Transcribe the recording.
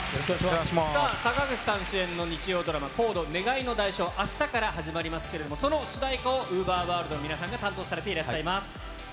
さあ、坂口さん主演の日曜ドラマ、ＣＯＤＥー願いの代償ー、あしたから始まりますけれども、その主題歌をＵＶＥＲｗｏｒｌｄの担当されていらっしゃいます。